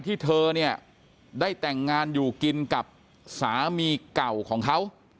ที่เธอเนี่ยได้แต่งงานอยู่กินกับสามีเก่าของเขา